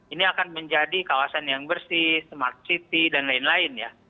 ini akan menjadi kawasan yang bersih smart city dan lain lain ya